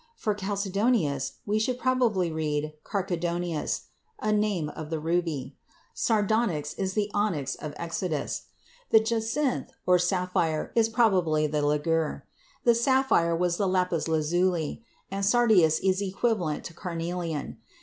For chalcedonius, we should probably read carchedonius, a name of the ruby; sardonyx is the onyx of Exodus; the jacinth (sapphire) is probably the "ligure"; the sapphire was the lapis lazuli, and sardius is equivalent to carnelian.